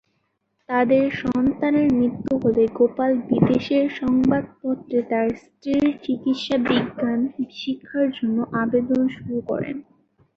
তাদের সন্তানের মৃত্যু হলে গোপাল বিদেশের সংবাদপত্রে তার স্ত্রীর চিকিৎসা বিজ্ঞান শিক্ষার জন্য আবেদন শুরু করেন।